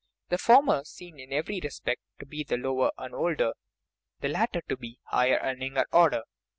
The former seem in every respect to be the lower and older, the latter to be the higher and younger order.